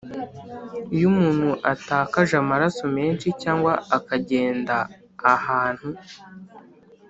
Iyo umuntu atakaje amaraso menshi cyangwa akagenda ahantu